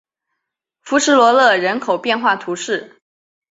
弗什罗勒人口变化图示